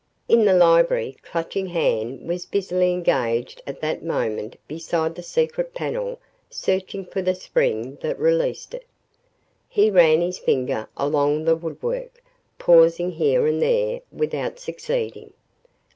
In the library, Clutching Hand was busily engaged at that moment beside the secret panel searching for the spring that released it. He ran his finger along the woodwork, pausing here and there without succeeding.